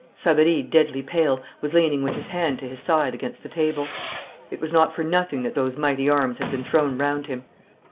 Savary, deadly pale, was leaning with his hand to his side against the table. It was not for nothing that those mighty arms had been thrown round him.